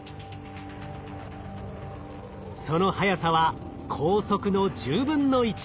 その速さは光速の１０分の１。